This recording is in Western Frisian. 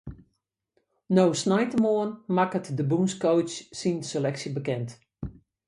No sneintemoarn makket de bûnscoach syn seleksje bekend.